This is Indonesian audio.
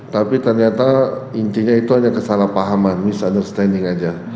tapi ternyata intinya itu hanya kesalahpahaman misunderstanding aja